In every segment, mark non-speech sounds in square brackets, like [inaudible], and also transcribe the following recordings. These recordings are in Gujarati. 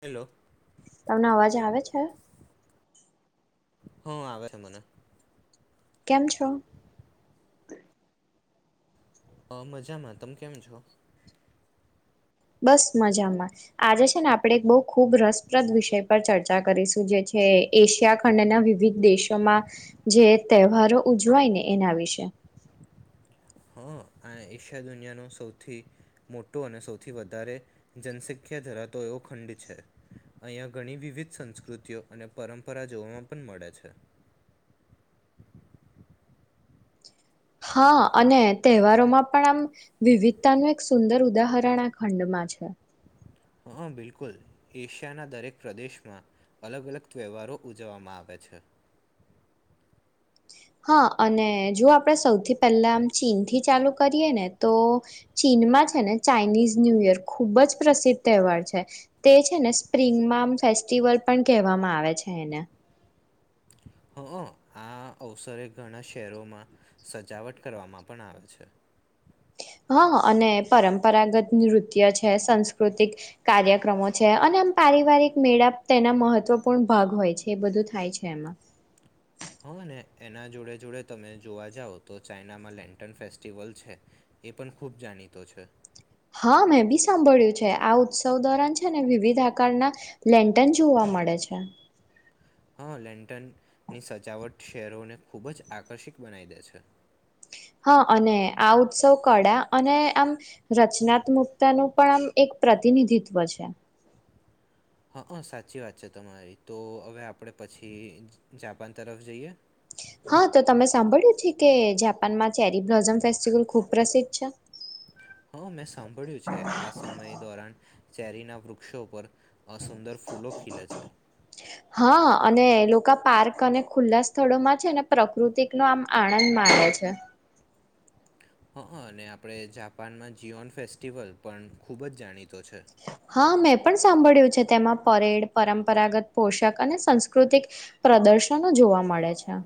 હેલો. તમને અવાજ આવે છે? હ આવે છે મને. કેમ છો? અહ મજામાં તમ કેમ છો? બસ મજામાં આજે છે ને આપડે એક બહુ ખૂબ રસપ્રદ વિષય પર ચર્ચ રચા કરીશું જે છે એશિયા ખંડના વિવિધ દેશોમાં જે તહેવારો ઉજવાય ને એના વિશે. હા આ એશિયા દુનિયાનો સૌથી મોટો અને સૌથી વધારે જનસંખ્યા ધરાતો એવો ખંડ છે. અહીંયા ઘણી વિવિધ સંસ્કૃતિઓ અને પરંપરા જોવામાં પણ મળે છે. હા, અને તહેવારોમાં પણ આમ વિવિધતાનું એક સુંદર ઉદાહરણ આ ખંડમાં છે. હા, બિલકુલ એશિયાના દરેક પ્રદેશમાં અલગ અલગ તહેવારો ઉજવવામાં આવે છે. હા, અને જો આપડે સૌથી પહેલા આમ ચીન થી ચાલુ કરીએ ને તો ચીનમાં છે ને ચાાઈનીઝ ન્યૂ યર ખૂબ જ પ્રસિદ્ધ તહેવાર છે. તે છે ને સ્પ્રિંગમાં આમ ફેસ્ટિવલ પણ કહેવામાં આવે છે એને. હ અહ અવસરે ઘણા શહેરોમાં સજાવટ કરવામાં પણ આવે છે. હા અને પરંપરાગત નૃત્ય છે સાસ્કૃતિક કાર્યક્રમો છે અને આમ પારિવારિક મેળા તેના મહત્વપૂર્ણ ભાગ હોય છે એ બધું થાય છે એમાં. હા ને એના જોડે જોડે તમે જોવા જાવ તો ચાઈનામાં લેન્ટન ફેસ્ટિવલ છે એ પણ ખૂબ જાણીતો છે. હા મેં બી સાંભળ્યું છે આ ઉત્સવ દોરન છે ને વિવિધ આકારના લેન્ટન જોવા મળે છે. હા લેન્ટની સજાવટ શહેરોને ખૂબ જ આકર્ષક બનાવી દે છે. હા અને આ ઉત્સવ કળા અને આમ રચનાત્મકતાનું પણ આમ એક પ્રતિનિધિત્વ છે. હા હ સાચી વાત છે તમારી તો હવે આપણે પછી જાપાન તરફ જઈએ. હા તો તમે સાંભળ્યું છે કે જાપાનમાં ચેરી બ્લોઝમ ફેસ્ટિવલ ખુબ પ્રસિદ્ધ છે. હવ મે સાંભળ્યું છે આ સમય ધોરણ ચેરીના વૃક્ષો પરર અસુંદર ફૂલો ખીલે છે. હા અને લોકો પાર્ક અને ખુલ્લા સ્થળોમાં છે ને પ્રકૃતિક નો આમ આનંદ માણે છે. હ હ અને આપણે જાપાનમાં જીઓન ફેસ્ટિવલ પણ ખૂબ જ જાણીતો છે. હા મેં પણ સાંભળ્યું છે તેમાં પરેડ પરંપરાગત પોષક અને સંસ્કૃતિક પ્રદર્શનો જોવા મળે છે.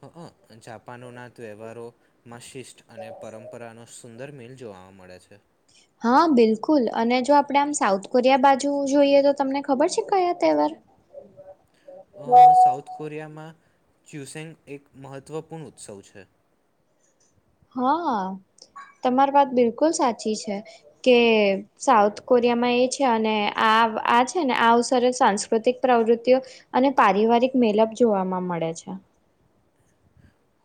હ હ જાપાન ના વ્યવહારોમાં શી શિષ્ટ અને પરંપરા ન સુંદર મિલ જોવા મળે છે. હા બિલકુલ અને જો આપણે આમ સાઉથ કોરિયા બાજુ જોઈએ તો તમને ખબર છે કયા તહેવાર અ સાઉથ કોરિયામાં ચ્યુસેંગ એક મહત્વપૂર્ણ ઉત્સવ છે. હા તમારી વાત બિલકુલ સાચી છે કે સાઉથ કોરિયામાં એ છે અને આ આ છે ને આ અવસરે સાંસ્કૃતિક પ્રવૃત્તિઓ અને પારિવારિક મેલપ જોવાવામાં મળે છે.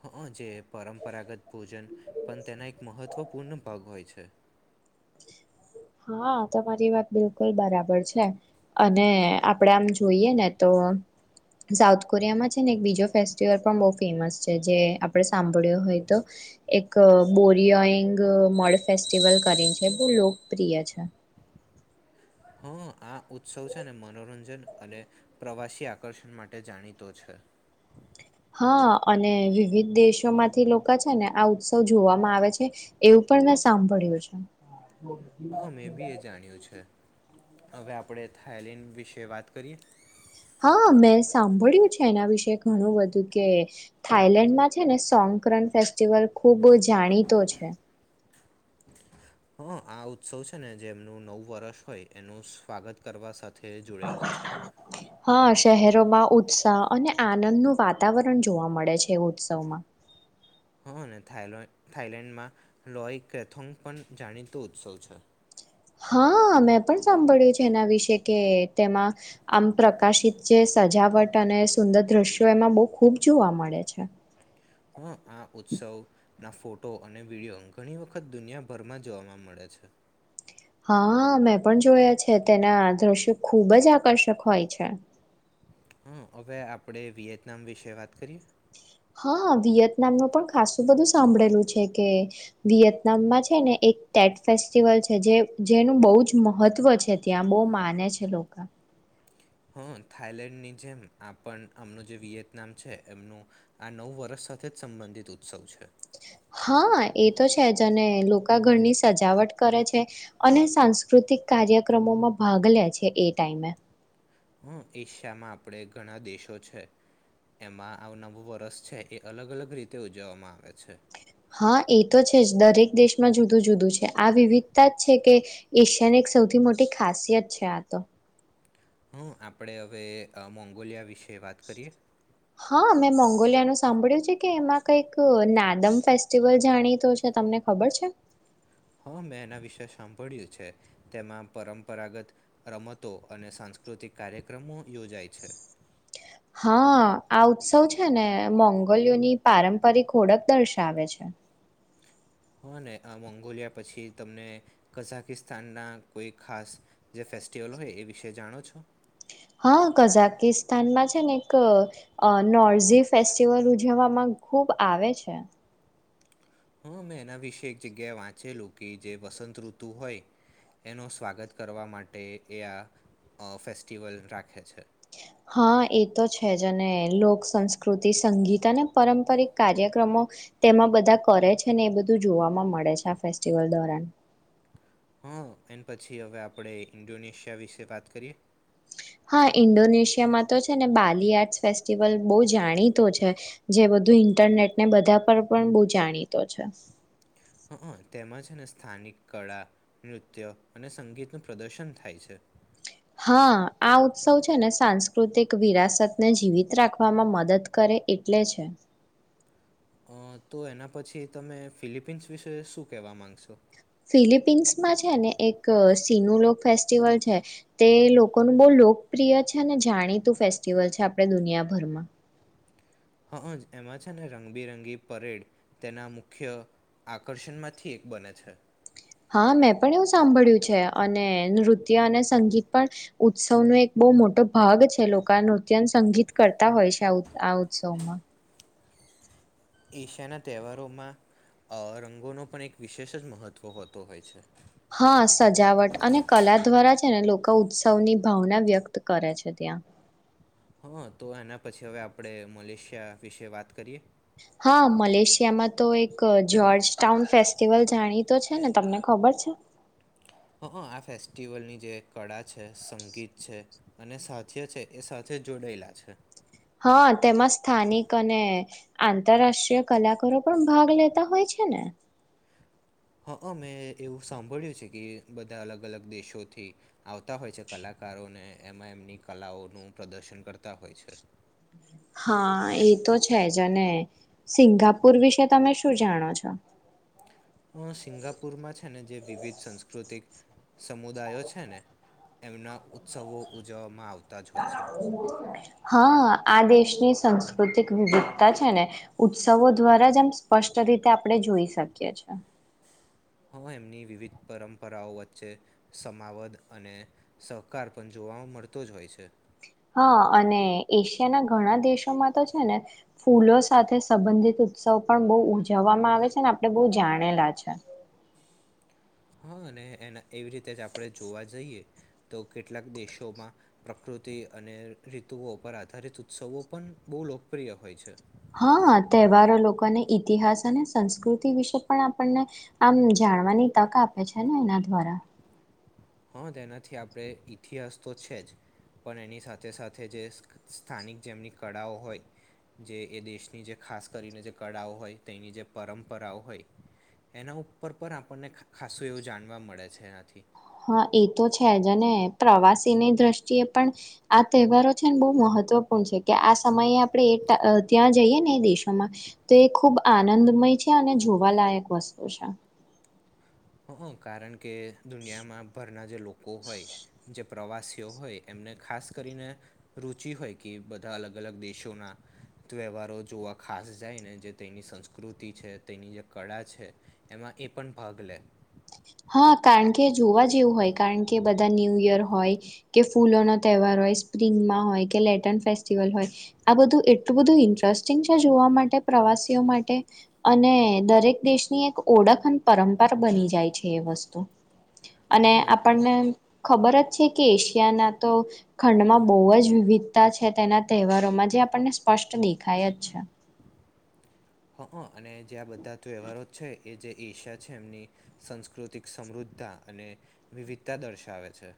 હા જે પરંપરાગત ભોજન પણ તેના એક મહત્વપૂર્ણ ભાગ હોય છે. હા, તમારી વાત બિલકુલ બરાબર છે અને આપડે આમ જોઈએ ને તો સાઉથ કોરિયામાં છે ને એક બીજો ફેસ્ટિવલ પણ બહુ ફેમસ છે જે આપડે સાંભળ્યો હોય તો એક બોરિયોઈંગ મળ ફેસ્ટિવલ કરીને છે બો લોગ પ્રિય છે. હ આ ઉત્સવ છે ને મનોરંજન અને પ્રવાસી આકર્ષણ માટે જાણીતો છે. હા અને વિવિધ દેશોમાંથી લોકો છે ને આ ઉત્સવ જોવામાં આવે છે એવું પણ મેં સાંભળ્યું છે. [inaudible] હં મેં બી એ જાણ્યું છે હવે આપડે થાઈલેન્ડ વિશે વાત કરીએ? હા, મેં સાંભળ્યું છે એના વિશે ઘણું બધું કે થાઈલેન્ડમાં છે ને સોક્રન ફેસ્ટિવલ ખૂબ જાણીતો છે. હ આ ઉત્સવ છે ને જે એમનું નવ વર્ષ હોય એનું સ્વાગત કરવા સાથ થે જોડાયેલો છે. હા, શહેરોમાં ઉત્સાહ અને આનંદનું વાતાવરણ જોવા મળે છે ઉત્સવમાં. હ અને થાલોય થાઈલેન્ડમાં લોય કથોંગ પણ જાણીતો ઉત્સવ છે. હા, મેં પણ સાંભળ્યું છે એના વિશે કે તેમાં આમ પ્રકાશિત જે સજાવટ અને સુંદર દ્રશ્યો એમાં બહુ ખૂબ જોવા મળે છે. હમ્મ આ ઉત્સવના ફોટો અને વિડિયો ઘણી વખત દુનિયાભરમાં જોવાવા મળે છે. હા મેં પણ જોયા છે તેના દ્રશ્યો ખૂબ જ આકર્ષક હોય છે. હ, હવે આપડે વિયેતનામ વિશે વાત કરીએ? હા વિયતનામ નો પણ ખાસ બધું સાંભળેલું છે કે વિયેતનામમાં છે ને એક ટેટ ફેસ્ટિવલ છે જે જેનું બહુ જ મહત્ત્વ છે ત્યાં બહુ માને છે લોકા. હા, થાઈલેન્ડની જેમ આપણ આમનું જે વિયેતનામ છે એમનું આ નવ વર્ષ સાથે જ સંબંધિત ઉત્સવ છે. હા, એ તો છે જ અને લોકા ઘરની સજાવટ કરે છે અને સાંસ્કૃતિક કાર્યક્રમોમાં ભાગ લે છે એ ટાઈમે. હ એશિયામાં આપડે ઘણા દેશો છે એમાં આવ નવું વરષ છે એ અલગ અલગ રીતે ઉજવવામાં આવે છે. હા, એ તો છે જ દરેક દેશમાં જુદું જુદું છે આ વિવિધતા જ છે કે એશિયાની એક સૌથી મોટી ખાસિયત છે આ તો. હમ્મ આપણે હવે મોંગોલિયા વિશે વાત કરીએ હા મેં મોંગોલિયા ન સાંભળ્યું છે કે એમાં કઈક નાદમ ફેસ્ટિવલ જાણીતો છે તમને ખબર છે. હા મેં એના વિશે સાંભળ્યું છે તેમાં પરંપરાગત રમતો અને સાંસ્કૃતિક કાર્યક્રમો યોજાય છે. હા આ ઉત્સવ છે ને મોંગલીયોની પારંપરિક હોળખ દર્શાવે છે. હ ને આ મોંગોલિયા પછી તમને કઝાકિસ્તાનના કોઈ ખાસ જે ફેસ્ટિવલ હોય એ વિશે જાણો છો? હા કઝાકિસ્તાનમાં છે ને એક નોર્ઝી ફેસ્ટિવલ ઉજવવામાં ખુબ આવે છે. હા મેં એના વિશે એક જગ્યાએ વાંચેલું કે જે વસંત ઋતુ હોય એનું સ્વાગત કરવા માટે એ આ ફેસ્ટિવલ રાખે છે. હા એ તો છે જ અને લોક સંસ્કૃતિ સંગીત અને પારંપરિક કાર્યક્રમો તેમાં બધા કરે છે ને એ બધું જોવાવામાં મળે છે આ ફેસ્ટિવલ દ્વારાન હા એ પછી હવે આપણે ઈન્ડોનેશિયા વિશે વાત કરીએ હા ઇન્ડોનેશિયામાં તો છે ને બાલી આર્ટસ ફેસ્ટિવલ બહુ જાણીતો છે જે બધું ઇન્ટરનેટ ને બધા પર પણ બહુ જાણીતો છે. હ તેમજ ને સ્થાનિક કળા નૃત્ય અને સંગીતનું પ્રદર્શન થાય છે. હા આ ઉત્સવ છે ને સાંસ્કૃતિક વિરાસતને જીવિત રાખવામાં મદદ કરે એટલે છે. અ તો એના પછી તમે ફિલિપીન્સ વિશે શું કેહેવા માંગશો ફિલિપિન્સમાં છે ને એક સિનુલોક ફેસ્ટિવલ છે તે લોકોનું બહ લોકપ્રિય છે ને જાણીતું ફેસ્ટિવલ છે આપડે દુનિયાભરમાં હજ એમાં છે ને રંગબિરંગી પરેડ તેના મુખ્ય આકર્ષણમાંથી એક બને છે. હા મેં પણ એવું સાંભળ્યું છે અને નૃત્ય અને સંગીત પણ ઉત્સવનો એક બહુ મોટો ભાગ છે લોકો નૃત્ય અને સંગીત કરતા હોય છે આ આ ઉત્સવમાં એશિયાના તહેવારોમાં અ રંગોનો પણ એક વિશેષ જ મહત્ત્વ હોતો હોય છે. હા સજાવટ અને કલા દ્વારા છે ને લોકો ઉત્સવની ભાવના વ્યક્ત કરે છે ત્યાં. હા તો એના પછી હવે આપણે મલેશિયા વિશે વાત કરીએ. હા મલેશિયામાં તો એક જ્યોર્જ ટાઉન ફેસ્ટિવલ જાણીતો છે ને તમને ખબર છે. હ આ ફેસ્ટિવલની જે કળા છે સંગીત છે અને સાથી્ય છે એ સાથે જોડાયેલા છે. હા તેમાં સ્થાનિક અને આંતરરાષ્ટ્રીય કલાકારો પણ ભાગ લેતા હોય છે ને? હ અહ મેં એવું સાંભળ્યું છે કે બધા અલગ અલગ દેશોથી આવતા હોય છે કલાકારોને એમાં એમની કલાઓનું પ્રદર્શન કરતા હોય છે. હા, એ તો છે જ અને સિંગાપુર વિશે તમે શું જાણો છો? અ સિંગાપુરમાં છે ને જે વિવિધ સાંસ્કૃતિક સમુદાયો છે ને એમના ઉત્સવો ઉજવવામાં આવ હા, આ દેશ ની સાસ્કૃતિક વિવિધતા છે ને ઉત્સવો દ્વારા જ આમ સ્પષ્ટ રીતે આપડે જોઈ શકીએ છે. હ એમની વિવિધ પરંપરાઓ વચ્ચે સમાવદ અને સહકાર પણ જોવા મળતો જ હોય છે. હા અને એશિયાના ઘણા દેશોમાં તો છે ને ફૂલો સાથે સંબંધિત ઉત્સવ પણ બહુ ઉજવવામાં આવે છે ને આપડે બહુ જાણેલા છે. હા, અને એના એવી રીતે જ આપડે જોવા જઈએ તો કેટલાક દેશોમાં પ્રકૃતિ અને ઋતુઓ પર આધારિત ઉત્સવો પણ બહુ લોકપ્રિય હોય છે. હા તહેવારો લોકોને ઈતિહાસ અને સંસ્કૃતિ વિશે પણ આપણને આમ જાણવાની તક આપે છે ને એના દ્વારા. હા તેનાથી આપડે ઈતિહાસ તો છે જ પણ એની સાથે સાથે જે સ્થાનિક જેમની કળાઓ હોય જે એ દેશની જે ખાસ કરીને જે કળાઓ હોય તેની જે પરંપરાઓ હોય એના ઉપર પણ આપણને ખાસું એવું જાણવા મળે છે એનાથી. હા, એ તો છે જ અને પ્રવાસીની દ્રષ્ટિએ પણ આ તહેવારો છે ને બહુ મહત્વપૂર્ણ છે કે આ સમયે આપણે એ તા અહ ત્યાં જઈએ ને એ દેશોમાં તો એ ખૂબ આનંદમય છે અને જોવાલાયક વસ્તુ છે. હ હ કારણ કે દુનિયામાં ભરના જે લોકો હોય જે પ્રવાસીઓ હોય એમને ખાસ કરીને રુચિ હોય કે બધા અલગ અલગ દેશોના ત્યહેવહારો જોવા ખાસ જાયને જે તેની સંસ્કૃતિ છે તેની જે કળા છે એમાં એ પણ ભાગ લે. હા, કારણ કે જોવા જેવું હોય કારણ કે બધા ન્યૂ ઇયર હોય કે ફૂલોનો તહેવાર હોય સ્પ્રિંગમાં હોય કે લેટર્ન ફેસ્ટિવલ હોય આ બધું એટલું બધું ઇન્ટરેસ્ટિંગ છે જોવા માટે પ્રવાસીઓ માટે અને દરેક દેશની એક ઓળખન પરંપર બની જાય છે એ વસ્તુ. અને હં આપણને ખબર જ છે કે એશિયાના તો ખંડમાં બહુ જ વિવિધતા છે તેના તહેવારોમાં જે આપણને સ્પષ્ટ દેખાય અજ છે. હ હ અને જે આ બધા તહેવારો છે એ જે એશિયા છે એમની સાસ્કૃતિક સમૃદ્ધા અને વિવિધતા દર્શાવે છે.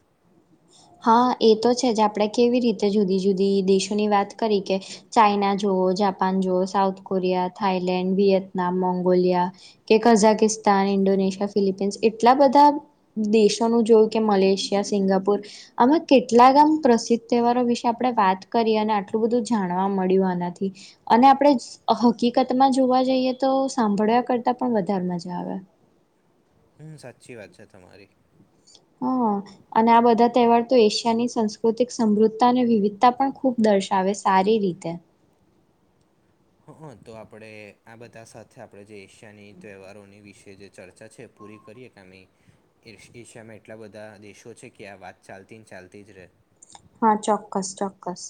હા એ તો છે જ આપડે કેવી રીતે જુદી જુદી દેશોની વાત કરી કે ચાઈના જુઓ જાપાન જુઓ, South Korea, Thailand, Vietnam, Mongolia, કે કઝાકિસ્તાન, ઇન્ડોનેશિયા, ફિલિપીન્સ, એટલા બધા દેશોનું જોયું કે મલેશિયા, સિંગાપુર આમાં કેટલાક આમ પ્રસિદ્ધ તહેવારો વિશે આપડે વાત કરી અને આટલું બધું જાણવા મળ્યું આનાથી અને આપડે હકીકતમાં જોવા જઈએ તો સાંભળવા કરતા પણ વધારે મજા આવે. હમ્મ, સાચી વાત છે તમારી. હા અને આ બધા તહેવાર તો એશિયાની સંસ્કૃતિક સમૃદ્ધતા અને વિવિધતા પણ ખૂબ દર્શાવે સારી રીતે. હં તો આપડે આ બધા સાથે આપણે જે એશિયાની તહેવારોની વિશે જે ચર્ચા છે એ પૂરી કરીએ કેમ એશ એશિયામાં એટલા બધા દેશો છે કે આ વાત ચાલતી ને ચાલતી જ રહે. હા, ચોક્કસ ચોક્કસ.